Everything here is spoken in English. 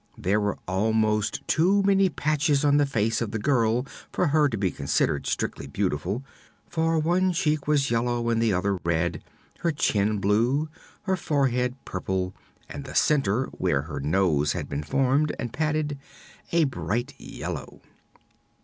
There were almost too many patches on the face of the girl for her to be considered strictly beautiful, for one cheek was yellow and the other red, her chin blue, her forehead purple and the center, where her nose had been formed and padded, a bright yellow.